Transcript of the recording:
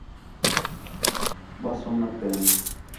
ݙُُِو سُنّت ہین